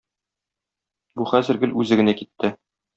Бу хәзер гел үзе генә китте.